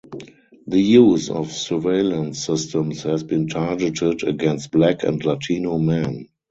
The use of surveillance systems has been targeted against black and Latino men.